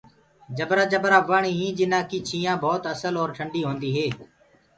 جبرآ جبرآ وڻ هينٚ جنآ ڪي ڇِيآنٚ ڀوت اسل اور ٽنڏي هوندي هي۔